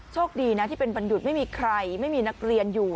โชคดีนะที่เป็นวันหยุดไม่มีใครไม่มีนักเรียนอยู่